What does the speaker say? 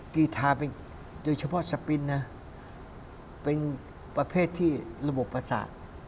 ที่ทาเป็นโดยเฉพาะสปินนะเป็นประเภทที่ระบบประสาท